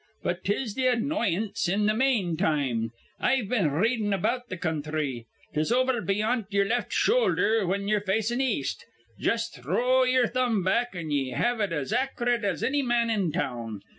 But 'tis th' annoyance in th' mane time. I've been r readin' about th' counthry. 'Tis over beyant ye'er left shoulder whin ye're facin' east. Jus' throw ye'er thumb back, an' ye have it as ac'rate as anny man in town.